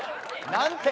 何て？